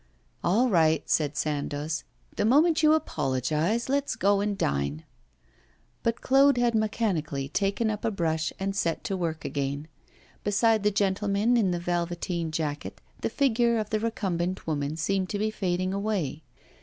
'All right,' said Sandoz, 'the moment you apologise, let's go and dine.' But Claude had mechanically taken up a brush and set to work again. Beside the gentleman in the velveteen jacket the figure of the recumbent woman seemed to be fading away.